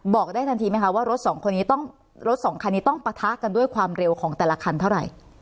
บอกได้ทันทีไหมคะว่ารถสองคนนี้ต้องรถสองคันนี้ต้องปะทะกันด้วยความเร็วของแต่ละคันเท่าไหร่